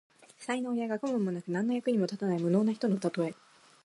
才能や学問もなく、何の役にも立たない無能な人のたとえ。